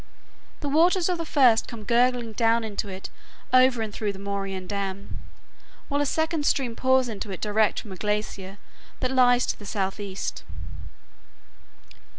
The waters of the first come gurgling down into it over and through the moraine dam, while a second stream pours into it direct from a glacier that lies to the southeast.